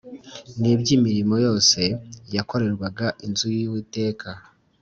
N iby imirimo yose yakorerwaga inzu y uwiteka